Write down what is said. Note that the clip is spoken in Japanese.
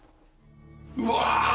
「うわ！」